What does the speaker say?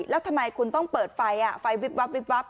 แล้วทำไมคุณต้องเปิดไฟไฟวิบวับวิบวับ